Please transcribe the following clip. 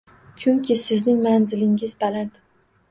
Chunki sizning manzilingiz baland